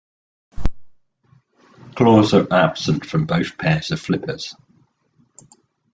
Claws are absent from both pairs of flippers.